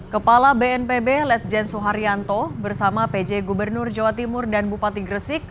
kepala bnpb lejen suharyanto bersama pj gubernur jawa timur dan bupati gresik